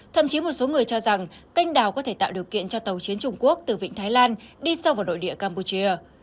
thậm chí một số người cho rằng canh đào có thể tạo điều kiện cho tàu chiến trung quốc từ vịnh thái lan đi sâu vào nội địa campuchia